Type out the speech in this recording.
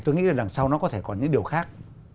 tôi nghĩ là đằng sau nó có thể còn những điều khác